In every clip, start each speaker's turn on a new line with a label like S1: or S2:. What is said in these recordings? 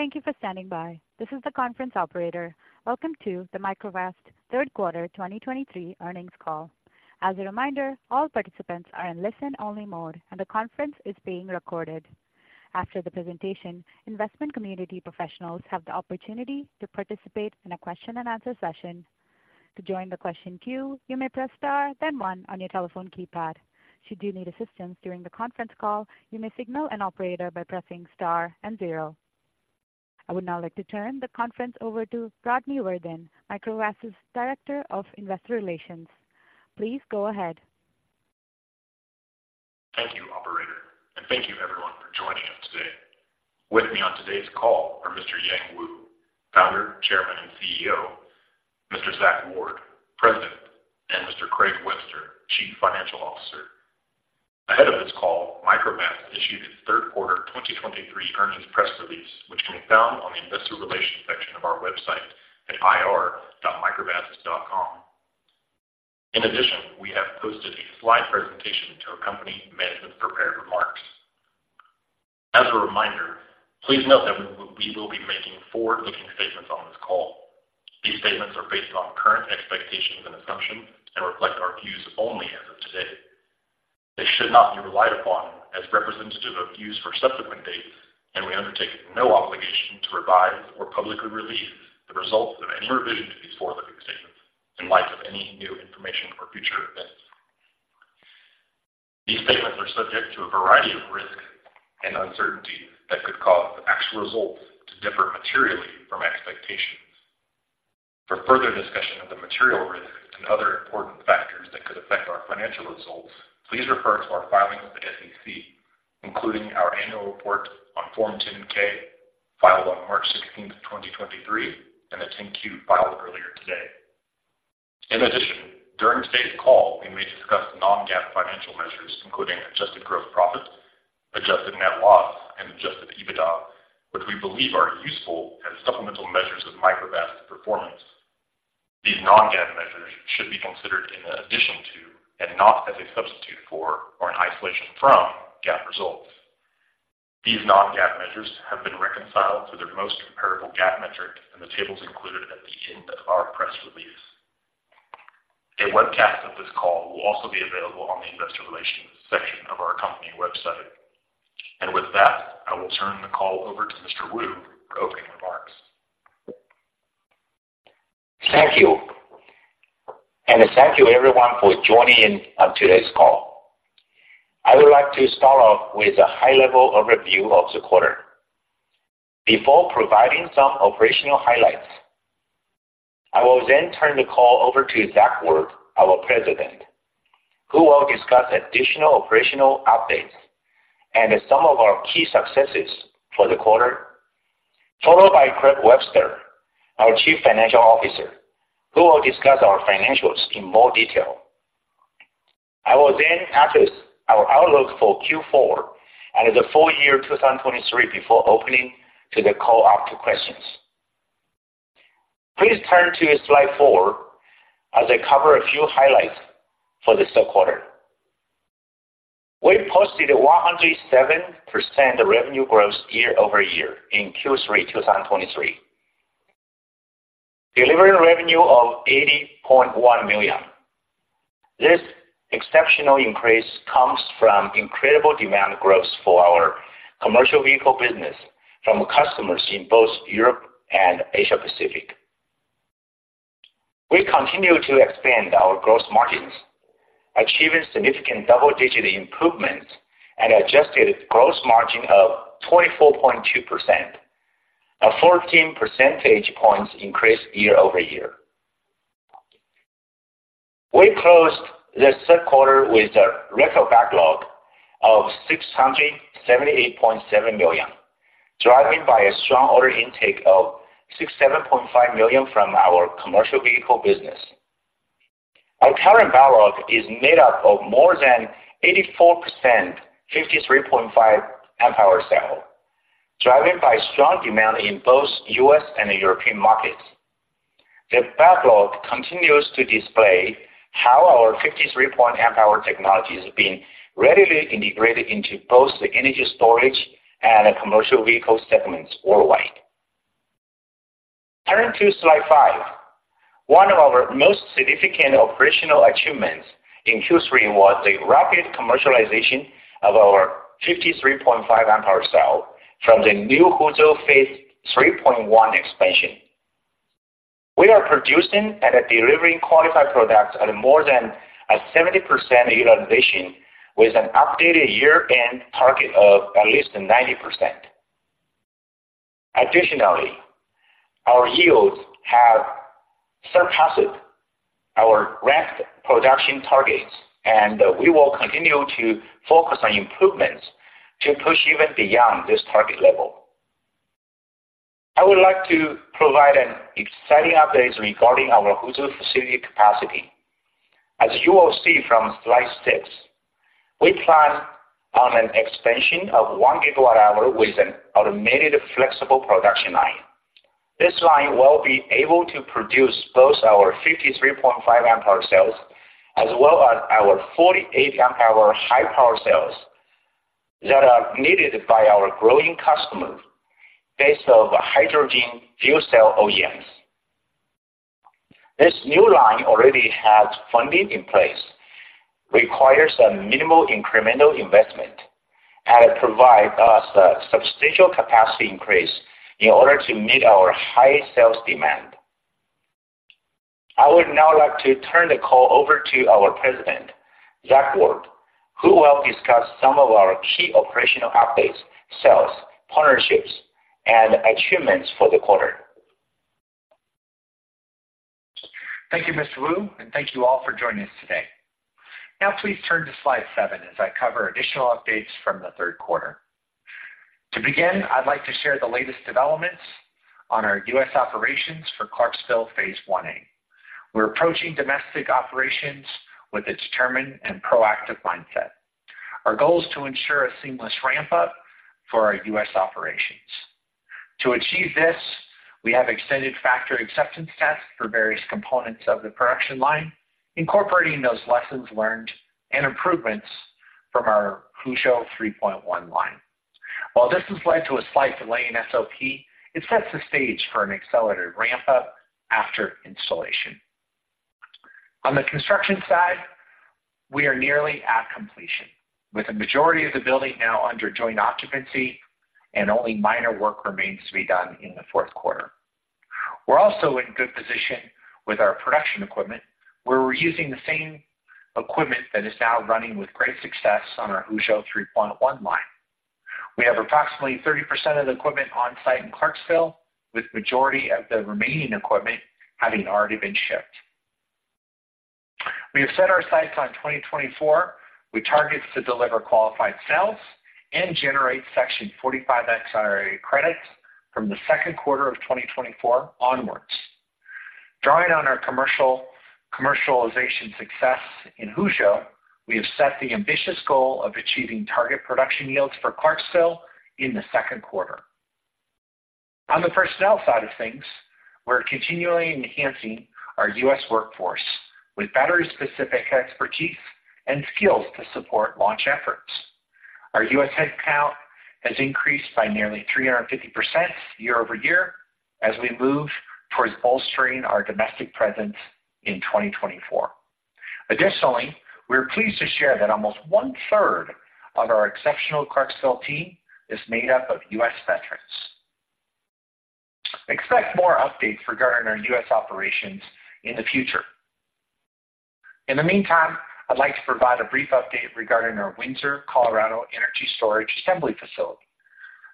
S1: Thank you for standing by. This is the conference operator. Welcome to the Microvast third quarter 2023 earnings call. As a reminder, all participants are in listen-only mode, and the conference is being recorded. After the presentation, investment community professionals have the opportunity to participate in a question-and-answer session. To join the question queue, you may press star, then one on your telephone keypad. Should you need assistance during the conference call, you may signal an Operator by pressing star and zero. I would now like to turn the conference over to Rodney Worthen, Microvast's Director of Investor Relations. Please go ahead.
S2: Thank you, operator, and thank you everyone for joining us today. With me on today's call are Mr. Yang Wu, Founder, Chairman, and CEO, Mr. Zach Ward, President, and Mr. Craig Webster, Chief Financial Officer. Ahead of this call, Microvast issued its third quarter 2023 earnings press release, which can be found on the investor relations section of our website at ir.microvast.com. In addition, we have posted a slide presentation to accompany management's prepared remarks. As a reminder, please note that we will be making forward-looking statements on this call. These statements are based on current expectations and assumptions and reflect our views only as of today. They should not be relied upon as representative of views for subsequent dates, and we undertake no obligation to revise or publicly release the results of any revision to these forward-looking statements in light of any new information or future events. These statements are subject to a variety of risks and uncertainties that could cause actual results to differ materially from expectations. For further discussion of the material risks and other important factors that could affect our financial results, please refer to our filings with the SEC, including our annual report on Form 10-K, filed on March 16, 2023, and the 10-Q filed earlier today. In addition, during today's call, we may discuss non-GAAP financial measures, including adjusted gross profit, adjusted net loss, and adjusted EBITDA, which we believe are useful as supplemental measures of Microvast's performance. These non-GAAP measures should be considered in addition to, and not as a substitute for, or in isolation from GAAP results. These non-GAAP measures have been reconciled to their most comparable GAAP metric, and the table is included at the end of our press release. A webcast of this call will also be available on the investor relations section of our company website. With that, I will turn the call over to Mr. Wu for opening remarks.
S3: Thank you, and thank you everyone for joining in on today's call. I would like to start off with a high-level overview of the quarter. Before providing some operational highlights, I will then turn the call over to Zach Ward, our President, who will discuss additional operational updates and some of our key successes for the quarter, followed by Craig Webster, our Chief Financial Officer, who will discuss our financials in more detail. I will then address our outlook for Q4 and the full-year 2023 before opening to the call out to questions. Please turn to slide four as I cover a few highlights for this quarter. We posted a 107% revenue growth year-over-year in Q3 2023, delivering revenue of $80.1 million. This exceptional increase comes from incredible demand growth for our commercial vehicle business from customers in both Europe and Asia Pacific. We continue to expand our gross margins, achieving significant double-digit improvements and adjusted gross margin of 24.2%, a 14 percentage points increase year-over-year. We closed the third quarter with a record backlog of $678.7 million, driven by a strong order intake of $67.5 million from our commercial vehicle business. Our current backlog is made up of more than 84%, 53.5 Ah cell, driven by strong demand in both U.S. and European markets. The backlog continues to display how our 53.5 Ah technology is being readily integrated into both the energy storage and commercial vehicle segments worldwide. Turn to slide five. One of our most significant operational achievements in Q3 was the rapid commercialization of our 53.5 Ah cell from the new Huzhou Phase 3.1 expansion. We are producing and delivering qualified products at more than a 70% utilization, with an updated year-end target of at least 90%. Additionally, our yields have surpassed our ramped production targets, and we will continue to focus on improvements to push even beyond this target level. I would like to provide an exciting update regarding our Huzhou facility capacity. As you will see from slide six, we plan on an expansion of 1 GWh with an automated flexible production line.... This line will be able to produce both our 53.5 Ah cells, as well as our 48 Ah high-power cells that are needed by our growing customers base of hydrogen fuel cell OEMs. This new line already has funding in place, requires a minimal incremental investment, and it provides us a substantial capacity increase in order to meet our high sales demand. I would now like to turn the call over to our President, Zach Ward, who will discuss some of our key operational updates, sales, partnerships, and achievements for the quarter.
S4: Thank you, Mr. Wu, and thank you all for joining us today. Now please turn to slide seven as I cover additional updates from the third quarter. To begin, I'd like to share the latest developments on our U.S. operations for Clarksville Phase 1A. We're approaching domestic operations with a determined and proactive mindset. Our goal is to ensure a seamless ramp-up for our U.S. operations. To achieve this, we have extended factory acceptance tests for various components of the production line, incorporating those lessons learned and improvements from our Huzhou 3.1 line. While this has led to a slight delay in SOP, it sets the stage for an accelerated ramp-up after installation. On the construction side, we are nearly at completion, with the majority of the building now under joint occupancy and only minor work remains to be done in the fourth quarter. We're also in good position with our production equipment, where we're using the same equipment that is now running with great success on our Huzhou 3.1 line. We have approximately 30% of the equipment on-site in Clarksville, with majority of the remaining equipment having already been shipped. We have set our sights on 2024, with targets to deliver qualified cells and generate Section 45X IRA credits from the second quarter of 2024 onwards. Drawing on our commercialization success in Huzhou, we have set the ambitious goal of achieving target production yields for Clarksville in the second quarter. On the personnel side of things, we're continually enhancing our U.S. workforce with battery-specific expertise and skills to support launch efforts. Our U.S. headcount has increased by nearly 350% year-over-year as we move towards bolstering our domestic presence in 2024. Additionally, we're pleased to share that almost 1/3 of our exceptional Clarksville team is made up of U.S. veterans. Expect more updates regarding our U.S. operations in the future. In the meantime, I'd like to provide a brief update regarding our Windsor, Colorado, energy storage assembly facility.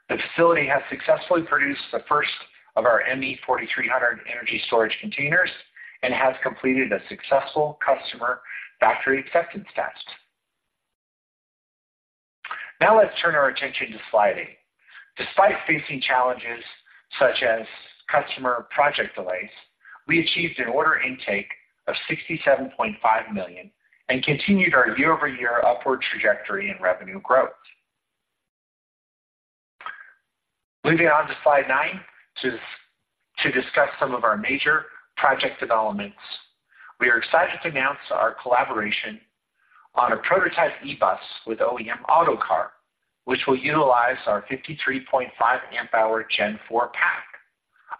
S4: The facility has successfully produced the first of our ME-4300 energy storage containers and has completed a successful customer factory acceptance test. Now, let's turn our attention to slide eight. Despite facing challenges such as customer project delays, we achieved an order intake of $67.5 million and continued our year-over-year upward trajectory in revenue growth. Moving on to slide nine, to discuss some of our major project developments. We are excited to announce our collaboration on a prototype e-bus with OEM Otokar, which will utilize our 53.5 Ah Gen 4 pack.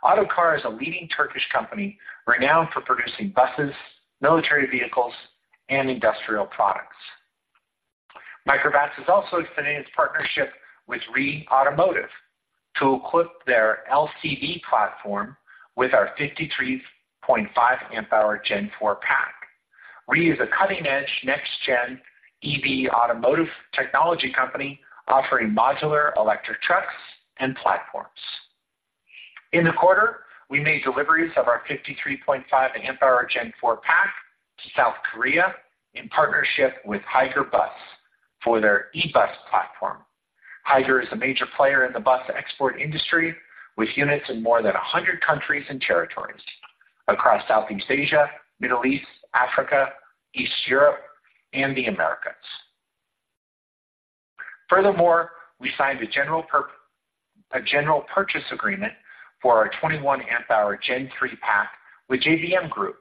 S4: Otokar is a leading Turkish company renowned for producing buses, military vehicles, and industrial products. Microvast is also expanding its partnership with REE Automotive to equip their LCV platform with our 53.5 Ah Gen 4 pack. REE is a cutting-edge, next-gen EV automotive technology company offering modular electric trucks and platforms. In the quarter, we made deliveries of our 53.5 Ah Gen 4 pack to South Korea in partnership with Higer Bus for their e-bus platform. Higer is a major player in the bus export industry, with units in more than 100 countries and territories across Southeast Asia, Middle East, Africa, East Europe, and the Americas. Furthermore, we signed a general purchase agreement for our 21 Ah Gen 3 pack with JBM Group,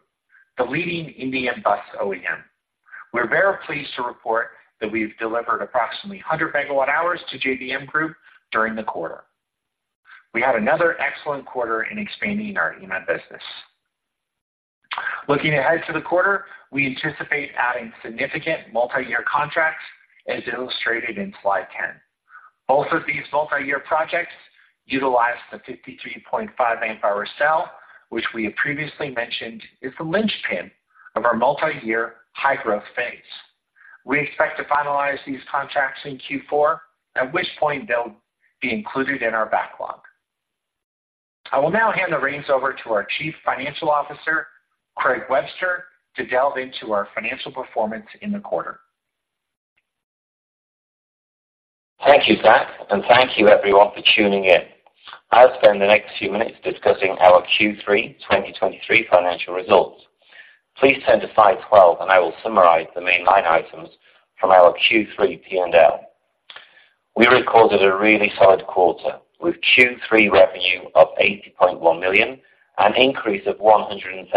S4: the leading Indian bus OEM. We're very pleased to report that we've delivered approximately 100 MWh to JBM Group during the quarter. We had another excellent quarter in expanding our EMEA business. Looking ahead to the quarter, we anticipate adding significant multiyear contracts, as illustrated in slide 10. Both of these multiyear projects utilize the 53.5 Ah cell, which we have previously mentioned is the linchpin of our multiyear high-growth phase. We expect to finalize these contracts in Q4, at which point they'll be included in our backlog. I will now hand the reins over to our Chief Financial Officer, Craig Webster, to delve into our financial performance in the quarter.
S5: Thank you, Zach, and thank you, everyone, for tuning in. I'll spend the next few minutes discussing our Q3 2023 financial results. Please turn to slide 12, and I will summarize the main line items from our Q3 P&L. We recorded a really solid quarter, with Q3 revenue of $80.1 million, an increase of 107%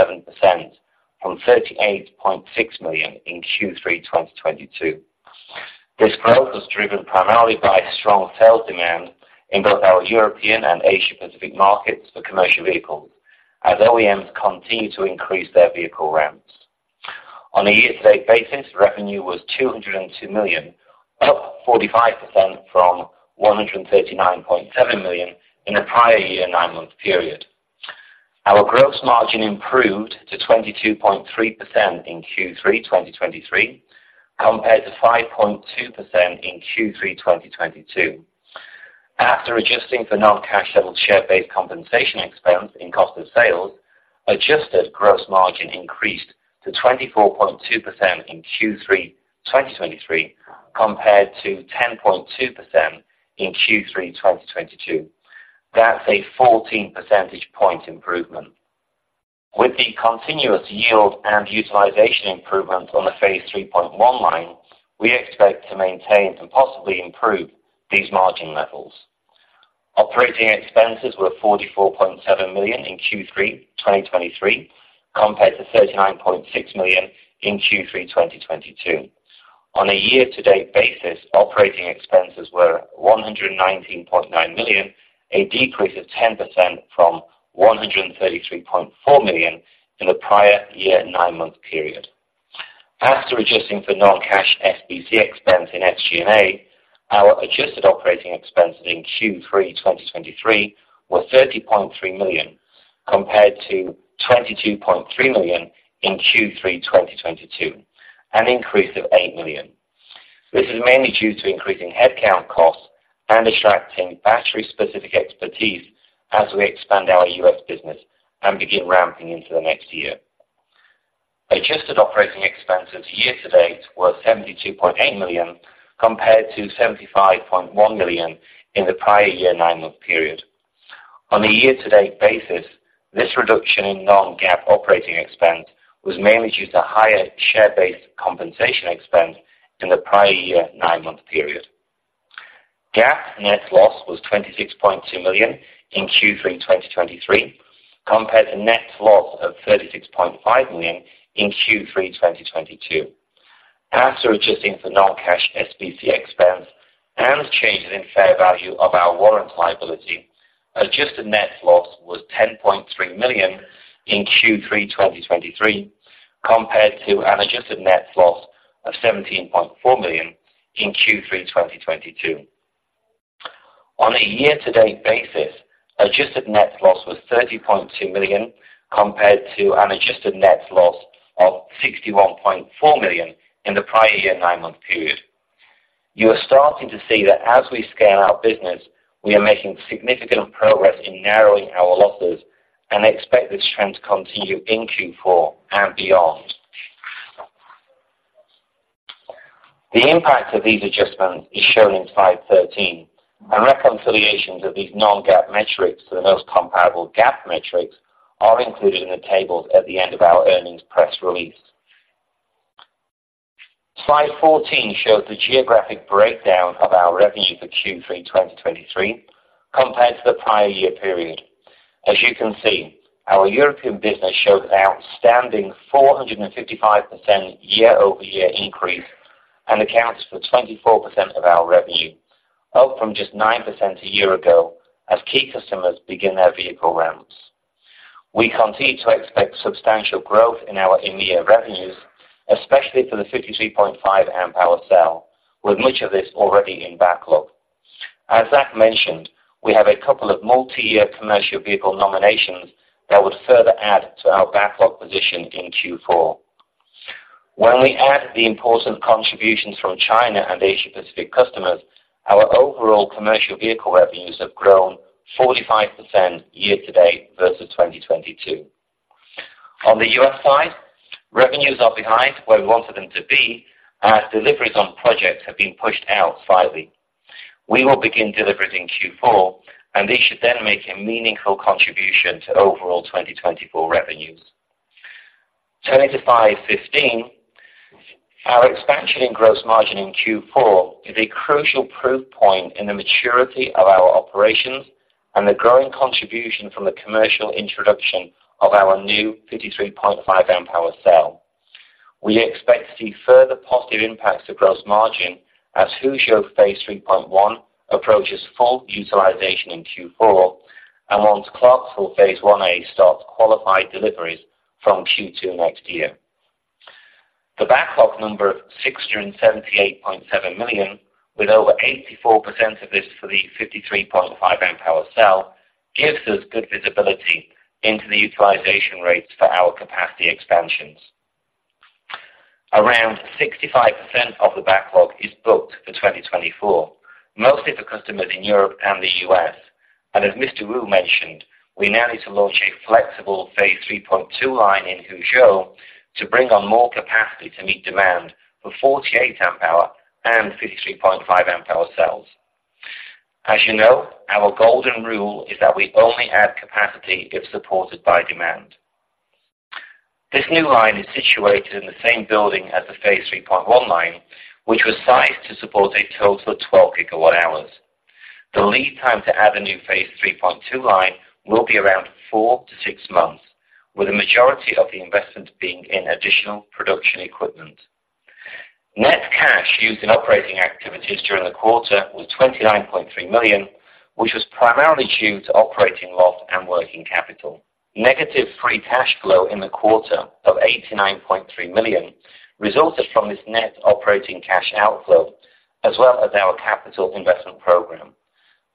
S5: from $38.6 million in Q3 2022. This growth was driven primarily by strong sales demand in both our European and Asia Pacific markets for commercial vehicles, as OEMs continue to increase their vehicle ramps. On a year-to-date basis, revenue was $202 million, up 45% from $139.7 million in the prior year nine-month period. Our gross margin improved to 22.3% in Q3 2023, compared to 5.2% in Q3 2022. After adjusting for non-cash settled share-based compensation expense in cost of sales, adjusted gross margin increased to 24.2% in Q3 2023, compared to 10.2% in Q3 2022. That's a 14 percentage point improvement. With the continuous yield and utilization improvement on the Phase 3.1 line, we expect to maintain and possibly improve these margin levels. Operating expenses were $44.7 million in Q3 2023, compared to $39.6 million in Q3 2022. On a year-to-date basis, operating expenses were $119.9 million, a decrease of 10% from $133.4 million in the prior year nine-month period. After adjusting for non-cash SBC expense in SG&A, our adjusted operating expenses in Q3 2023 were $30.3 million, compared to $22.3 million in Q3 2022, an increase of $8 million. This is mainly due to increasing headcount costs and attracting battery-specific expertise as we expand our U.S. business and begin ramping into the next year. Adjusted operating expenses year-to-date were $72.8 million, compared to $75.1 million in the prior year nine-month period. On a year-to-date basis, this reduction in non-GAAP operating expense was mainly due to higher share-based compensation expense in the prior year nine-month period. GAAP net loss was $26.2 million in Q3 2023, compared to net loss of $36.5 million in Q3 2022. After adjusting for non-cash SBC expense and changes in fair value of our warrant liability, adjusted net loss was $10.3 million in Q3 2023, compared to an adjusted net loss of $17.4 million in Q3 2022. On a year-to-date basis, adjusted net loss was $30.2 million, compared to an adjusted net loss of $61.4 million in the prior year nine-month period. You are starting to see that as we scale our business, we are making significant progress in narrowing our losses and expect this trend to continue in Q4 and beyond. The impact of these adjustments is shown in slide 13, and reconciliations of these non-GAAP metrics to the most comparable GAAP metrics are included in the tables at the end of our earnings press release. Slide 14 shows the geographic breakdown of our revenue for Q3 2023, compared to the prior year period. As you can see, our European business showed an outstanding 455% year-over-year increase and accounts for 24% of our revenue, up from just 9% a year ago, as key customers begin their vehicle ramps. We continue to expect substantial growth in our EMEA revenues, especially for the 53.5 Ah cell, with much of this already in backlog. As Zach mentioned, we have a couple of multi-year commercial vehicle nominations that would further add to our backlog position in Q4. When we add the important contributions from China and Asia Pacific customers, our overall commercial vehicle revenues have grown 45% year-to-date versus 2022. On the U.S. side, revenues are behind where we wanted them to be, as deliveries on projects have been pushed out slightly. We will begin deliveries in Q4, and these should then make a meaningful contribution to overall 2024 revenues. Turning to slide 15, our expansion in gross margin in Q4 is a crucial proof point in the maturity of our operations and the growing contribution from the commercial introduction of our new 53.5 Ah cell. We expect to see further positive impacts to gross margin as Huzhou Phase 3.1 approaches full utilization in Q4 and once Clarksville Phase 1A starts qualified deliveries from Q2 next year. The backlog number of $678.7 million, with over 84% of this for the 53.5 Ah cell, gives us good visibility into the utilization rates for our capacity expansions. Around 65% of the backlog is booked for 2024, mostly for customers in Europe and the U.S. And as Mr. Wu mentioned, we now need to launch a flexible Phase 3.2 line in Huzhou to bring on more capacity to meet demand for 48 Ah and 53.5 Ah cells. As you know, our golden rule is that we only add capacity if supported by demand. This new line is situated in the same building as the Phase 3.1 line, which was sized to support a total of 12 GWh. The lead time to add a new Phase 3.2 line will be around four to six months, with the majority of the investment being in additional production equipment. Net cash used in operating activities during the quarter was $29.3 million, which was primarily due to operating loss and working capital. Negative free cash flow in the quarter of $89.3 million resulted from this net operating cash outflow, as well as our capital investment program.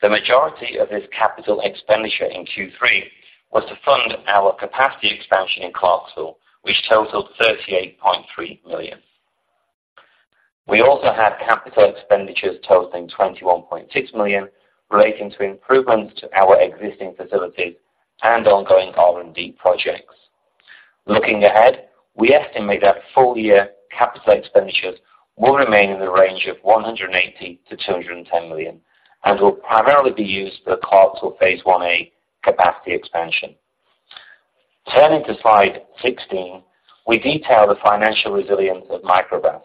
S5: The majority of this capital expenditure in Q3 was to fund our capacity expansion in Clarksville, which totaled $38.3 million. We also had capital expenditures totaling $21.6 million, relating to improvements to our existing facilities and ongoing R&D projects. Looking ahead, we estimate that full-year capital expenditures will remain in the range of $180 million-$210 million, and will primarily be used for the Clarksville Phase 1A capacity expansion. Turning to slide 16, we detail the financial resilience of Microvast.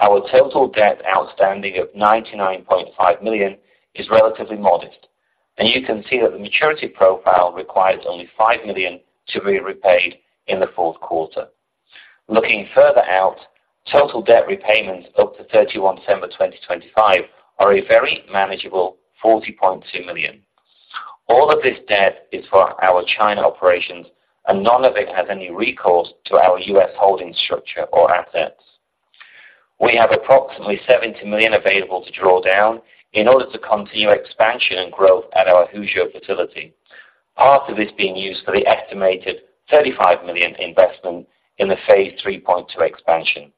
S5: Our total debt outstanding of $99.5 million is relatively modest, and you can see that the maturity profile requires only $5 million to be repaid in the fourth quarter. Looking further out, total debt repayments up to 31 December 2025 are a very manageable $40.2 million. All of this debt is for our China operations, and none of it has any recourse to our U.S. holding structure or assets. We have approximately $70 million available to draw down in order to continue expansion and growth at our Huzhou facility. Part of this being used for the estimated $35 million investment in the Phase 3.2 expansion.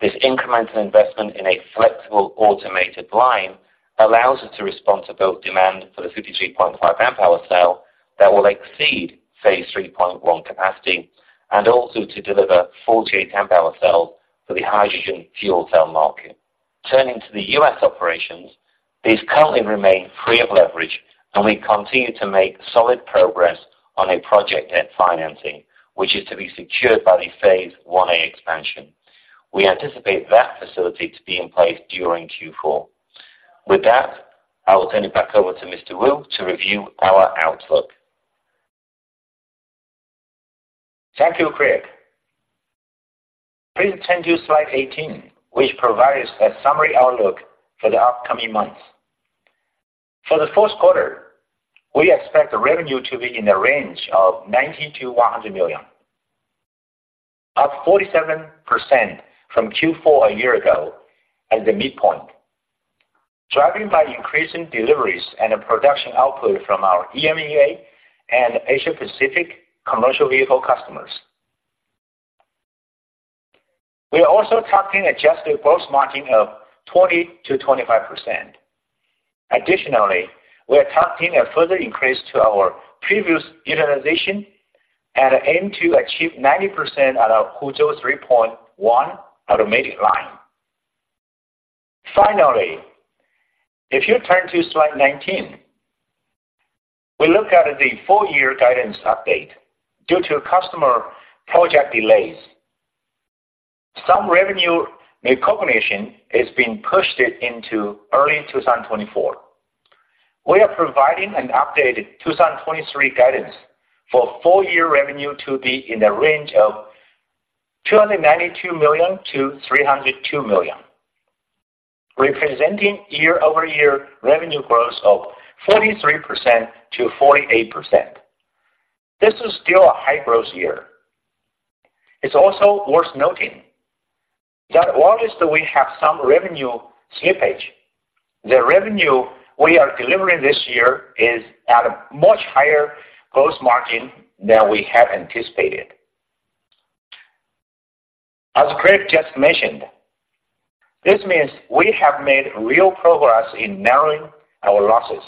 S5: This incremental investment in a flexible automated line allows us to respond to both demand for the 53.5 Ah cell that will exceed Phase 3.1 capacity, and also to deliver 48 Ah cells for the hydrogen fuel cell market. Turning to the U.S. operations, these currently remain free of leverage, and we continue to make solid progress on a project debt financing, which is to be secured by the Phase 1A expansion. We anticipate that facility to be in place during Q4. With that, I will turn it back over to Mr. Wu to review our outlook.
S3: Thank you, Craig. Please turn to slide 18, which provides a summary outlook for the upcoming months. For the fourth quarter, we expect the revenue to be in the range of $90 million-$100 million, up 47% from Q4 a year ago at the midpoint, driving by increasing deliveries and a production output from our EMEA and Asia Pacific commercial vehicle customers. We are also targeting adjusted gross margin of 20%-25%. Additionally, we are targeting a further increase to our previous utilization and aim to achieve 90% at our Huzhou 3.1 automated line. Finally, if you turn to slide 19, we look at the full-year guidance update. Due to customer project delays, some revenue recognition is being pushed into early 2024. We are providing an updated 2023 guidance for full-year revenue to be in the range of $292 million-$302 million, representing year-over-year revenue growth of 43%-48%. This is still a high-growth year. It's also worth noting that while we have some revenue slippage, the revenue we are delivering this year is at a much higher gross margin than we had anticipated. As Craig just mentioned, this means we have made real progress in narrowing our losses.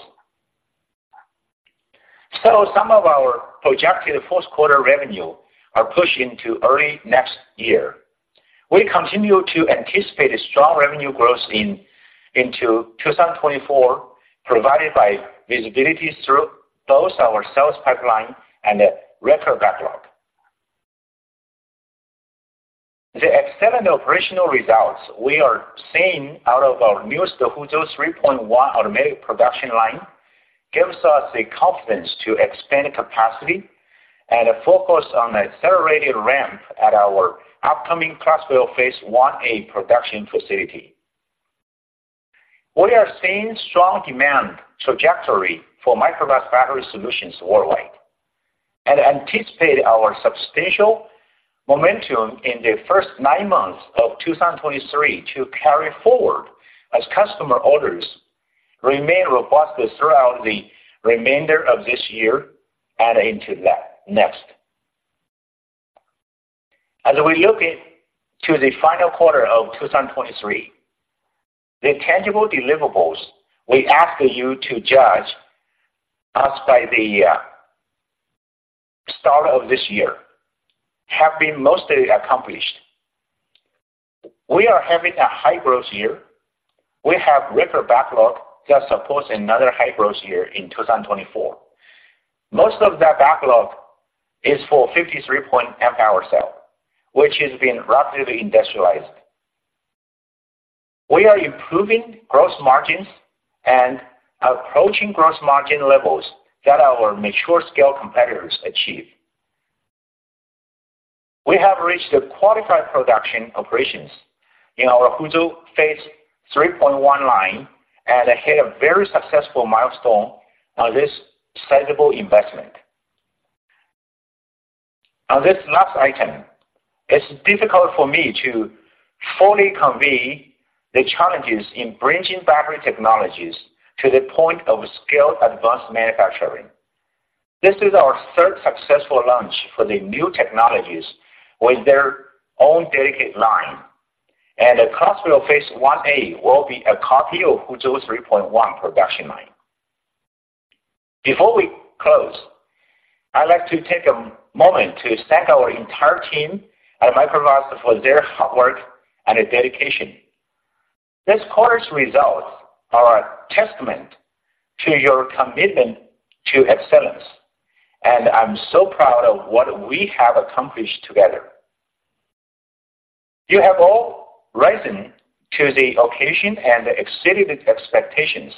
S3: So some of our projected fourth quarter revenue are pushed into early next year. We continue to anticipate a strong revenue growth into 2024, provided by visibility through both our sales pipeline and a record backlog. The excellent operational results we are seeing out of our newest Huzhou 3.1 automatic production line gives us the confidence to expand capacity and focus on an accelerated ramp at our upcoming Clarksville Phase 1A production facility. We are seeing strong demand trajectory for Microvast battery solutions worldwide and anticipate our substantial momentum in the first nine months of 2023 to carry forward as customer orders remain robust throughout the remainder of this year and into the next. As we look to the final quarter of 2023, the tangible deliverables we asked you to judge us by the start of this year have been mostly accomplished. We are having a high growth year. We have record backlog that supports another high growth year in 2024. Most of that backlog is for 53.5 Ah cell, which is being rapidly industrialized. We are improving gross margins and approaching gross margin levels that our mature scale competitors achieve. We have reached a qualified production operations in our Huzhou Phase 3.1 line and hit a very successful milestone on this sizable investment. On this last item, it's difficult for me to fully convey the challenges in bringing battery technologies to the point of scaled advanced manufacturing. This is our third successful launch for the new technologies with their own dedicated line, and the Clarksville Phase 1A will be a copy of Huzhou 3.1 production line. Before we close, I'd like to take a moment to thank our entire team at Microvast for their hard work and their dedication. This quarter's results are a testament to your commitment to excellence, and I'm so proud of what we have accomplished together. You have all risen to the occasion and exceeded expectations,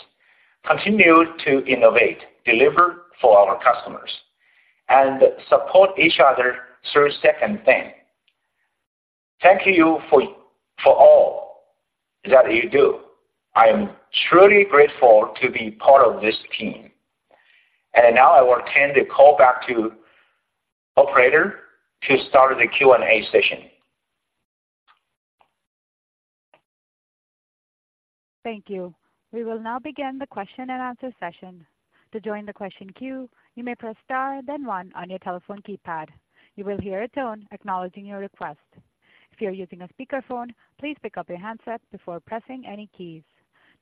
S3: continued to innovate, deliver for our customers, and support each other through thick and thin. Thank you for all that you do. I am truly grateful to be part of this team. Now I will turn the call back to Operator to start the Q&A session.
S1: Thank you. We will now begin the question and answer session. To join the question queue, you may press star, then one on your telephone keypad. You will hear a tone acknowledging your request. If you are using a speakerphone, please pick up your handset before pressing any keys.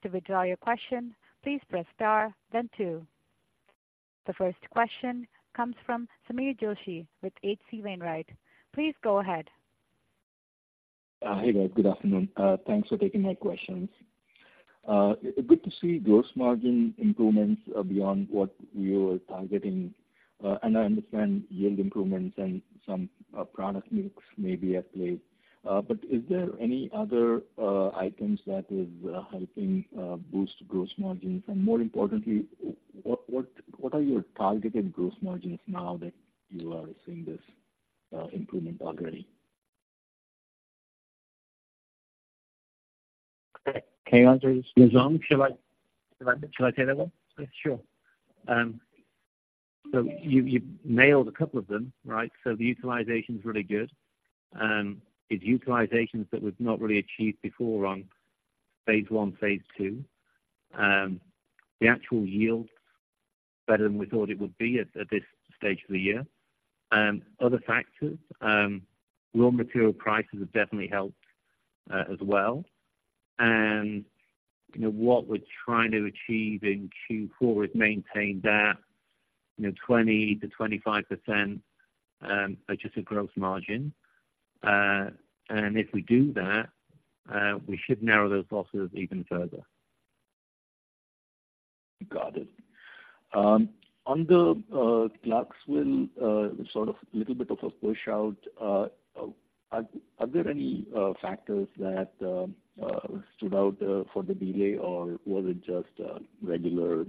S1: To withdraw your question, please press star then two. The first question comes from Sameer Joshi with H.C. Wainwright. Please go ahead.
S6: Hey, guys. Good afternoon. Thanks for taking my questions. Good to see gross margin improvements beyond what you were targeting. And I understand yield improvements and some product mix may be at play. But is there any other items that is helping boost gross margin? And more importantly, what are your targeted gross margins now that you are seeing this improvement already?
S4: Can I answer this, Wu Yang? Should I take that one?
S3: Sure.
S4: So you nailed a couple of them, right? So the utilization is really good. It's utilizations that was not really achieved before on Phase 1, Phase 2. The actual yield better than we thought it would be at this stage of the year. Other factors, raw material prices have definitely helped, as well. And you know, what we're trying to achieve in Q4 is maintain that, you know, 20%-25% adjusted gross margin. And if we do that, we should narrow those losses even further.
S6: Got it. On the Clarksville sort of little bit of a push out, are there any factors that stood out for the delay, or was it just regular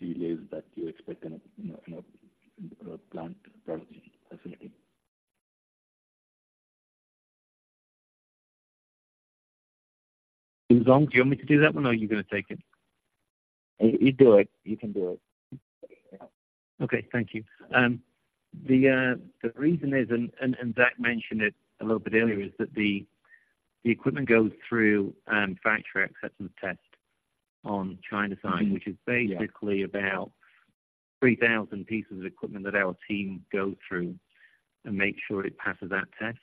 S6: delays that you expect in a plant production facility?
S5: Wu Yang, do you want me to do that one, or are you gonna take it?
S3: You do it. You can do it.
S5: Okay. Thank you. The reason is, and Zach mentioned it a little bit earlier, is that the equipment goes through factory acceptance test on China side.
S6: Mm-hmm. Yeah.
S5: -which is basically about 3,000 pieces of equipment that our team go through and make sure it passes that test.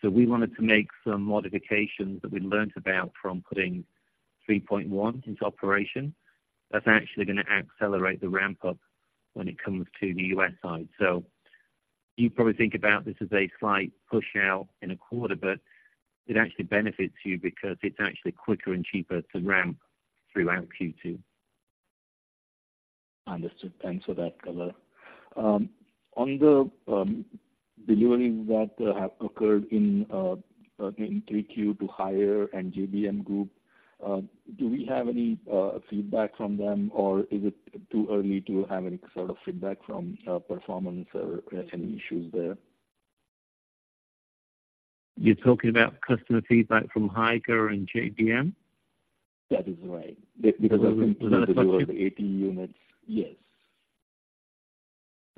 S5: So we wanted to make some modifications that we learned about from putting 3.1 into operation. That's actually gonna accelerate the ramp up when it comes to the U.S. side. So you probably think about this as a slight push out in a quarter, but it actually benefits you because it's actually quicker and cheaper to ramp throughout Q2.
S6: Understood. Thanks for that color. On the deliveries that have occurred in 3Q to Higer and JBM Group, do we have any feedback from them, or is it too early to have any sort of feedback from performance or if there's any issues there?
S5: You're talking about customer feedback from Higer and JBM?
S6: That is right, because of the 80 units. Yes.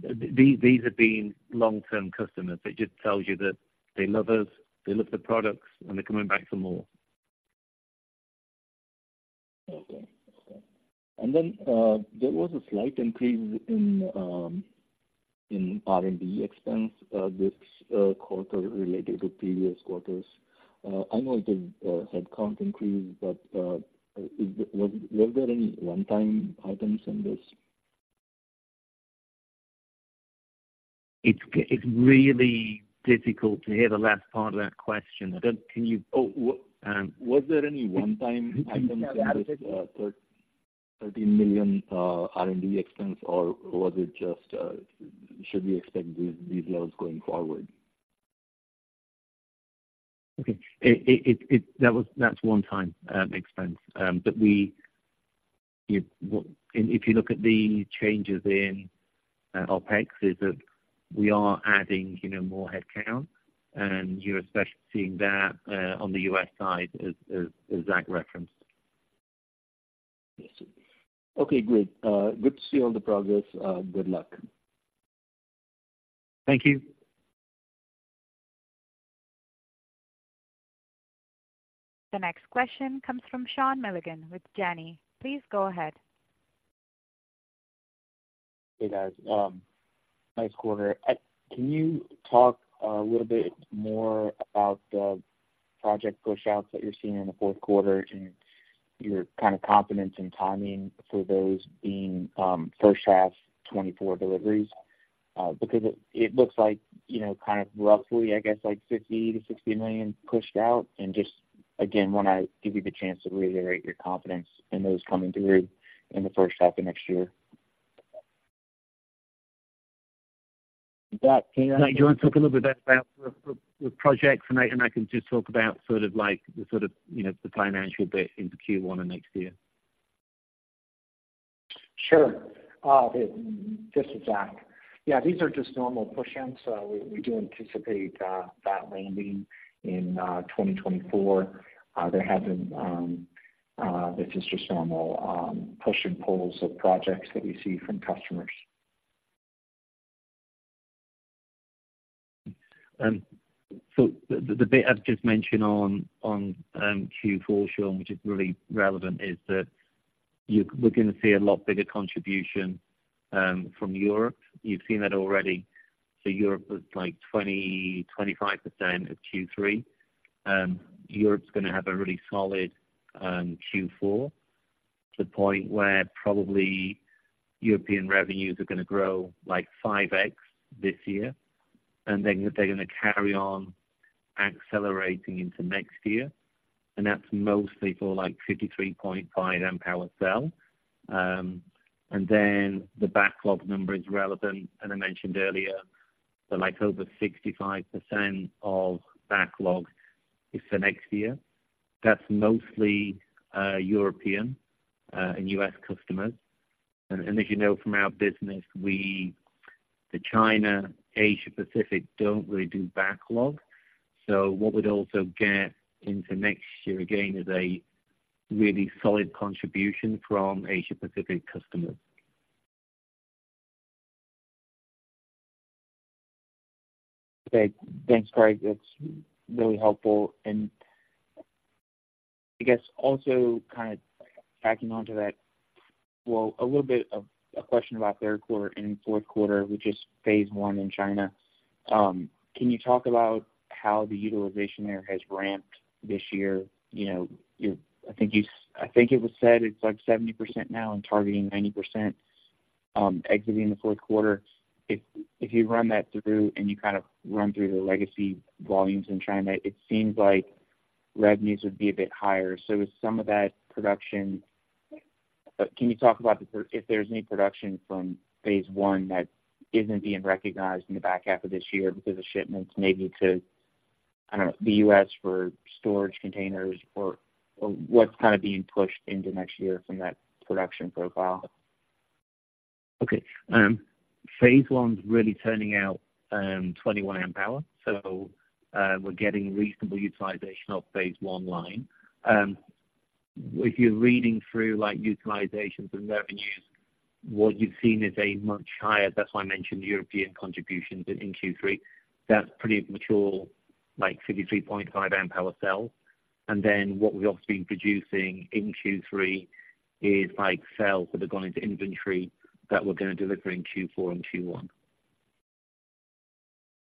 S5: These have been long-term customers. It just tells you that they love us, they love the products, and they're coming back for more.
S6: Okay. And then, there was a slight increase in R&D expense this quarter related to previous quarters. I know the headcount increased, but is the... Were there any one-time items in this?...
S5: It's really difficult to hear the last part of that question. I don't. Can you-
S6: Oh, was there any one-time item, $13 million R&D expense, or was it just, should we expect these, these levels going forward?
S5: Okay. That was - that's one-time expense. But we and if you look at the changes in OpEx, is that we are adding, you know, more headcount, and you're especially seeing that on the U.S. side, as Zach referenced.
S6: I see. Okay, great. Good to see all the progress. Good luck.
S5: Thank you.
S1: The next question comes from Sean Milligan with Janney. Please go ahead.
S7: Hey, guys. Nice quarter. Can you talk a little bit more about the project pushouts that you're seeing in the fourth quarter and your kind of confidence and timing for those being first half 2024 deliveries? Because it looks like, you know, kind of roughly, I guess, like $50 million-$60 million pushed out. And just, again, want to give you the chance to reiterate your confidence in those coming through in the first half of next year.
S3: Zach, do you want to talk a little bit about the projects, and I can just talk about sort of like, you know, the financial bit into Q1 of next year.
S4: Sure. This is Zach. Yeah, these are just normal push-ins, so we do anticipate that landing in 2024. This is just normal push and pulls of projects that we see from customers.
S5: So the bit I've just mentioned on Q4, Sean, which is really relevant, is that you, we're gonna see a lot bigger contribution from Europe. You've seen that already. So Europe was like 20, 25% of Q3. Europe's gonna have a really solid Q4, to the point where probably European revenues are gonna grow like 5x this year, and then they're gonna carry on accelerating into next year. And that's mostly for, like, 53.5 Ah cell. And then the backlog number is relevant, and I mentioned earlier that like over 65% of backlog is for next year. That's mostly European and U.S. customers. And as you know from our business, we, the China, Asia Pacific, don't really do backlog. What we'd also get into next year, again, is a really solid contribution from Asia Pacific customers.
S7: Okay. Thanks, Craig. That's really helpful. And I guess also kind of backing onto that, well, a little bit of a question about third quarter and fourth quarter, which is Phase 1 in China. Can you talk about how the utilization there has ramped this year? You know, I think it was said it's like 70% now and targeting 90% exiting the fourth quarter. If you run that through and you kind of run through the legacy volumes in China, it seems like revenues would be a bit higher. So is some of that production... Can you talk about if there, if there's any production from Phase 1 that isn't being recognized in the back half of this year because of shipments maybe to, I don't know, the U.S. for storage containers, or, or what's kind of being pushed into next year from that production profile?
S5: Okay, Phase 1's really turning out 21 Ah so we're getting reasonable utilization of Phase 1 line. If you're reading through, like, utilizations and revenues, what you've seen is a much higher-- that's why I mentioned European contributions in Q3. That's pretty mature, like 53.5 Ah cells. And then what we've also been producing in Q3 is, like, cells that have gone into inventory that we're gonna deliver in Q4 and Q1.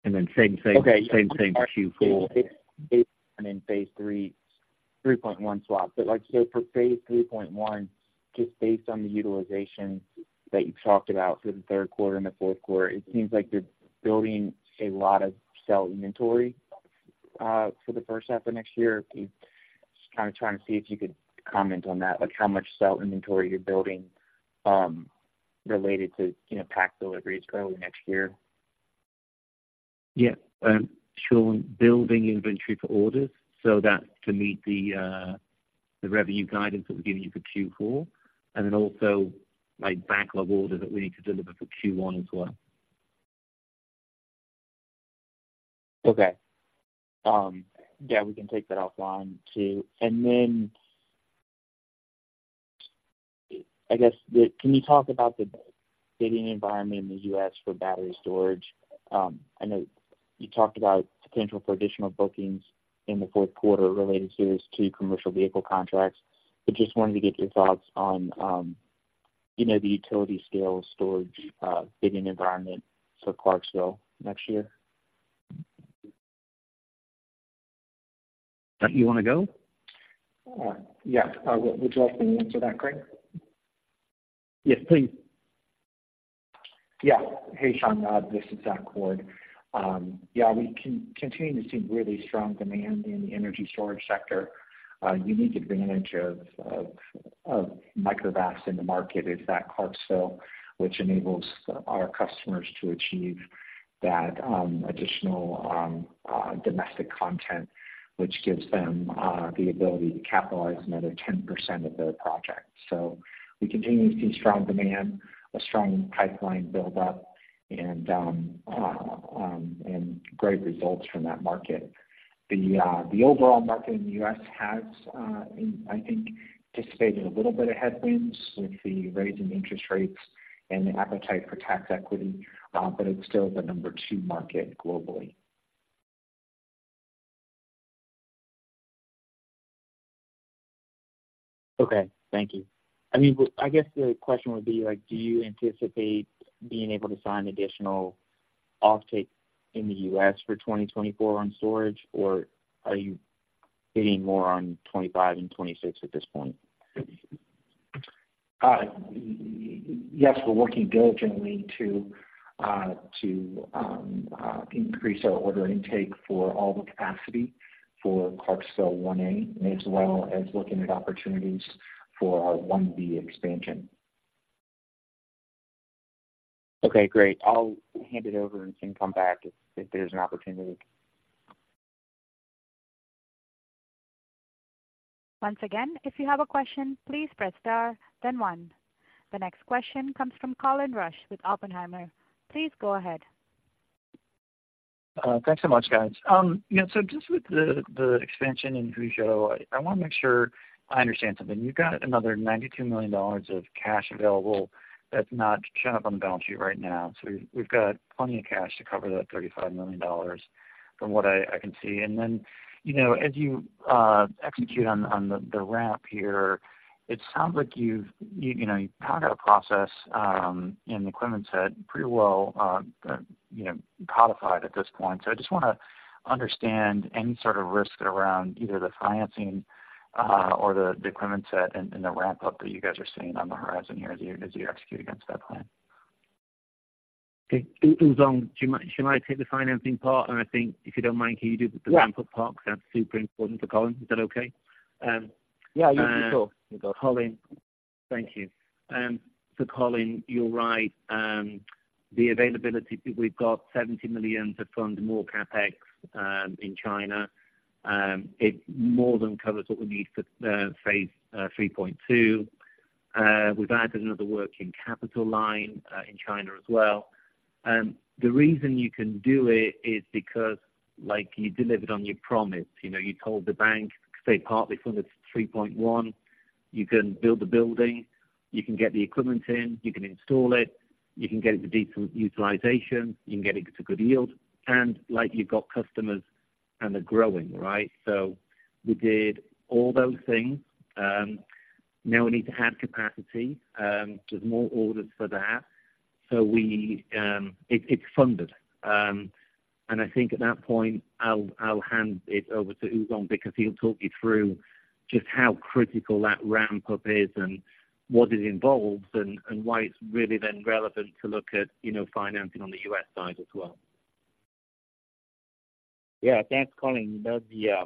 S5: And then same thing-
S7: Okay.
S5: Same thing for Q4.
S7: And in Phase 3, 3.1 swap. But like, so for Phase 3.1, just based on the utilization that you've talked about for the third quarter and the fourth quarter, it seems like you're building a lot of cell inventory for the first half of next year. Just kind of trying to see if you could comment on that, like how much cell inventory you're building, related to, you know, pack deliveries early next year.
S5: Yeah, Sean, building inventory for orders, so that to meet the revenue guidance that we're giving you for Q4, and then also, like, backlog orders that we need to deliver for Q1 as well.
S7: Okay. Yeah, we can take that offline, too. And then, I guess... Can you talk about the bidding environment in the U.S. for battery storage? I know you talked about potential for additional bookings in the fourth quarter related to his two commercial vehicle contracts, but just wanted to get your thoughts on, you know, the utility scale storage bidding environment for Clarksville next year....
S5: You want to go?
S4: Yeah. Would you like me to answer that, Craig?
S5: Yes, please.
S4: Yeah. Hey, Sean, this is Zach Ward. Yeah, we continue to see really strong demand in the energy storage sector. A unique advantage of Microvast in the market is that Clarksville, which enables our customers to achieve that additional domestic content, which gives them the ability to capitalize another 10% of their project. So we continue to see strong demand, a strong pipeline build up, and great results from that market. The overall market in the U.S. has, I think, anticipated a little bit of headwinds with the rise in interest rates and the appetite for tax equity, but it's still the number two market globally.
S7: Okay, thank you. I mean, but I guess the question would be like, do you anticipate being able to sign additional offtake in the U.S. for 2024 on storage, or are you bidding more on 2025 and 2026 at this point?
S4: Yes, we're working diligently to increase our order intake for all the capacity for Clarksville 1A, as well as looking at opportunities for our 1B expansion.
S7: Okay, great. I'll hand it over and can come back if there's an opportunity.
S1: Once again, if you have a question, please press star, then one. The next question comes from Colin Rusch with Oppenheimer. Please go ahead.
S8: Thanks so much, guys. Yeah, so just with the expansion in Huzhou, I want to make sure I understand something. You've got another $92 million of cash available that's not shown up on the balance sheet right now, so you've got plenty of cash to cover that $35 million from what I can see. And then, you know, as you execute on the ramp here, it sounds like you know, you've kind of got a process and the equipment set pretty well, you know, codified at this point. So I just wanna understand any sort of risk around either the financing or the equipment set and the ramp-up that you guys are seeing on the horizon here as you execute against that plan.
S5: Okay. To Wu Yang, do you mind take the financing part? I think, if you don't mind, can you do the ramp-up part?
S3: Yeah.
S5: Because that's super important for Colin. Is that okay?
S3: Yeah, sure.
S5: Colin, thank you. So Colin, you're right. The availability, we've got $70 million to fund more CapEx in China. It more than covers what we need for Phase 3.2. We've added another working capital line in China as well. The reason you can do it is because, like, you delivered on your promise. You know, you told the bank, stay partly funded 3.1, you can build the building, you can get the equipment in, you can install it, you can get it to decent utilization, you can get it to good yield, and like you've got customers, and they're growing, right? So we did all those things. Now we need to add capacity, there's more orders for that. So we, it's funded. And I think at that point, I'll hand it over to Wu Yang because he'll talk you through just how critical that ramp-up is and what is involved and why it's really then relevant to look at, you know, financing on the U.S. side as well.
S3: Yeah, thanks, Colin. You know,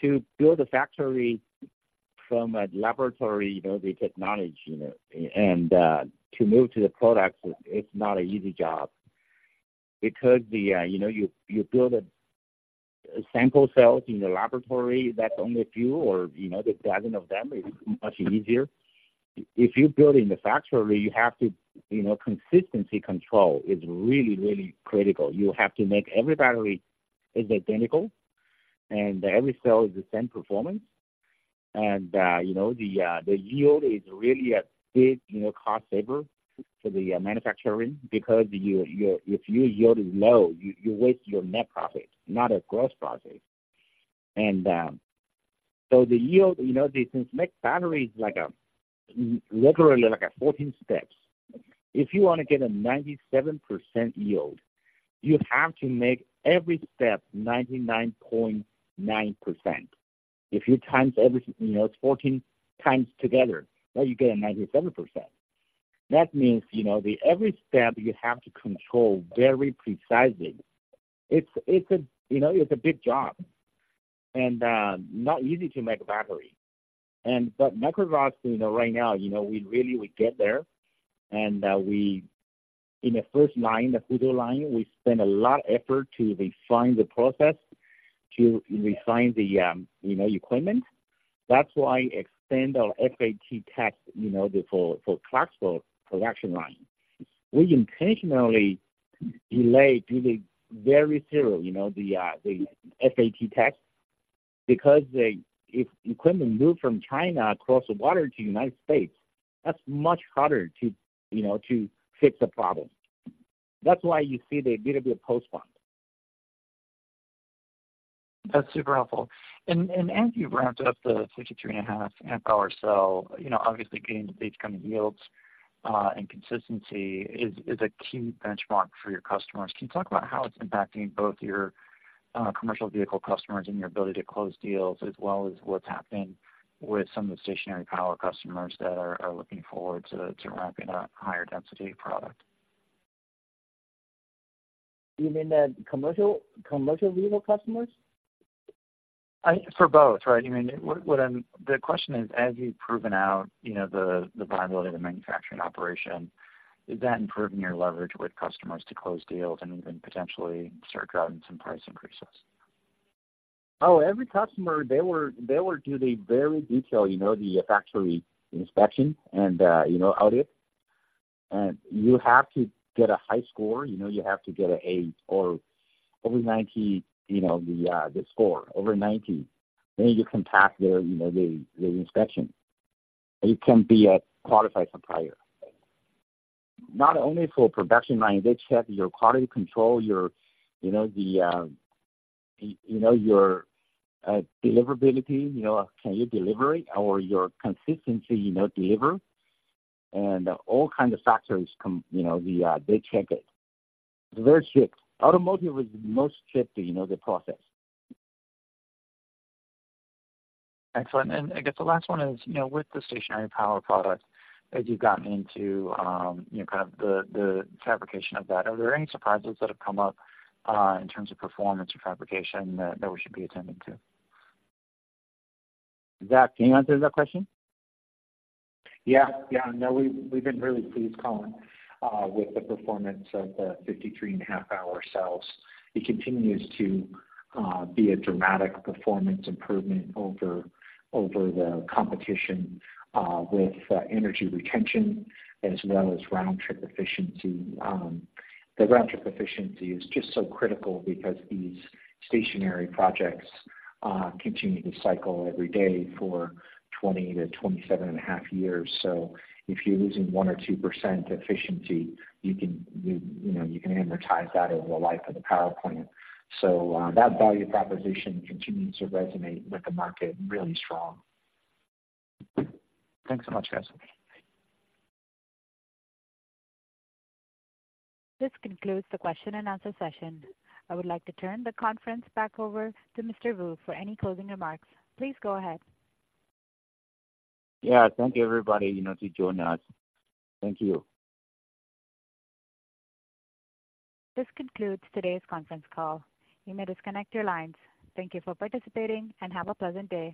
S3: to build a factory from a laboratory, you know, the technology, you know, and to move to the products, it's not an easy job. Because you know, you build sample cells in the laboratory that's only a few or a dozen of them, it's much easier. If you build in the factory, you have to, you know, consistency control is really, really critical. You have to make every battery is identical, and every cell is the same performance. And you know, the yield is really a big, you know, cost saver for the manufacturing because if your yield is low, you waste your net profit, not a gross profit. And so the yield, you know, they since make batteries like regularly, like 14 steps. If you want to get a 97% yield, you have to make every step 99.9%. If you times every, you know, 14 times together, now you get a 97%. That means, you know, the every step you have to control very precisely. It's, it's a, you know, it's a big job and, not easy to make a battery. And, but Microvast, you know, right now, you know, we really would get there. And, we, in the first line, the Huzhou line, we spent a lot of effort to refine the process, to refine the, you know, equipment. That's why extend our FAT test, you know, before- for Clarksville production line. We intentionally delay to the very zero, you know, the FAT test, because if equipment moved from China across the water to United States, that's much harder to, you know, to fix the problem. That's why you see the bit of a postpone.
S8: That's super helpful. As you ramped up the 53.5 Ah cell, you know, obviously getting these kind of yields and consistency is a key benchmark for your customers. Can you talk about how it's impacting both your commercial vehicle customers and your ability to close deals, as well as what's happening with some of the stationary power customers that are looking forward to ramping up higher density product?
S3: You mean the commercial, commercial vehicle customers?
S8: I, for both, right? I mean, the question is, as you've proven out, you know, the viability of the manufacturing operation, is that improving your leverage with customers to close deals and even potentially start driving some price increases?
S3: Oh, every customer, they were, they were do the very detailed, you know, the factory inspection and, you know, audit. And you have to get a high score, you know, you have to get a, or over 90, you know, the, the score, over 90, then you can pass their, you know, the, the inspection, and you can be a qualified supplier. Not only for production line, they check your quality control, your, you know, the, you know, your, deliverability, you know, can you deliver it? Or your consistency, you know, deliver. And all kinds of factors come, you know, the, they check it. Very strict. Automotive is the most strict, you know, the process.
S8: Excellent. I guess the last one is, you know, with the stationary power product, as you've gotten into, you know, kind of the fabrication of that, are there any surprises that have come up, in terms of performance or fabrication that we should be attending to?
S3: Zach, can you answer that question?
S4: Yeah. Yeah. No, we've been really pleased, Colin, with the performance of the 53.5 Ah cells. It continues to be a dramatic performance improvement over the competition with energy retention as well as round-trip efficiency. The round-trip efficiency is just so critical because these stationary projects continue to cycle every day for 20-27.5 years. So if you're losing 1%-2% efficiency, you know, you can amortize that over the life of the power plant. So, that value proposition continues to resonate with the market really strong.
S8: Thanks so much, guys.
S1: This concludes the question-and-answer session. I would like to turn the conference back over to Mr. Wu for any closing remarks. Please go ahead.
S3: Yeah. Thank you, everybody, you know, to join us. Thank you.
S1: This concludes today's conference call. You may disconnect your lines. Thank you for participating, and have a pleasant day.